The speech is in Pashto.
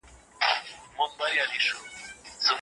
آس په خپله مېړانه د کلي د ټولو خلکو پام ځان ته واړاوه.